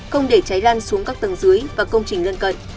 không để cháy lan xuống các tầng dưới và công trình lân cận